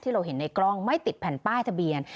เราเห็นในกล้องไม่ติดแผ่นป้ายทะเบียน